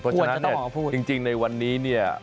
เพราะฉะนั้นจริงในวันนี้